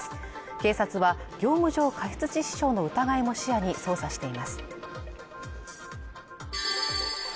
警察は業務上過失致死傷の疑いも視野に捜査しています